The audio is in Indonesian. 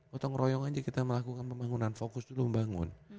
gotong royong aja kita melakukan pembangunan fokus dulu membangun